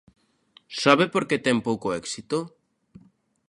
¿Sabe por que ten pouco éxito?